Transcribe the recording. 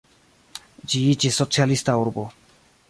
Ĝi iĝis socialista urbo.